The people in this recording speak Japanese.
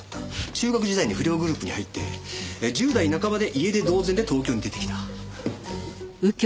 中学時代に不良グループに入って１０代半ばで家出同然で東京に出てきた。